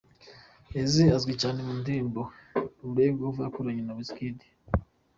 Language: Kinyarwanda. Eazi azwi cyane mu ndirimbo ‘Leg Over’ yakoranye na Wizkid.